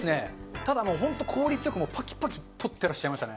ただね、本当に効率よくぱきぱき撮ってらっしゃいましたね。